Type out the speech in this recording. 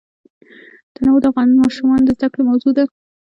تنوع د افغان ماشومانو د زده کړې موضوع ده.